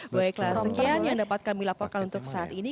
baiklah sekian yang dapat kami laporkan untuk saat ini